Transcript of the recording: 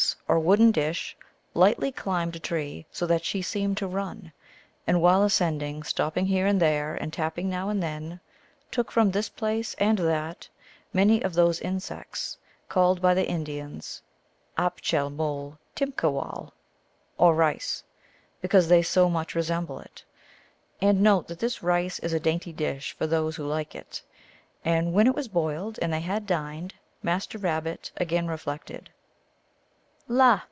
211 Is, taking a woltes, or wooden dish, lightly climbed tree, so that she seemed to run ; and while ascend ig, stopping here and there and tapping now and then, took from this place and that many of those in sects called by the Indians apcJiel moal^timpTcawcil^ or rice, because they so much resemble it. And note that this rice is a dainty dish for those who like it. And when it was boiled, and they had dined, Master Rabbit again reflected, " La